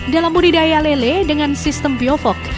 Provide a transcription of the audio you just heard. dalam budidaya lele dengan sistem biovok